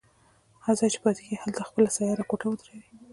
هر ځای چې پاتې کېږي هلته خپله سیاره کوټه ودروي.